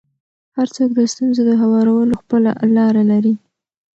هر څوک د ستونزو د هوارولو خپله لاره لري.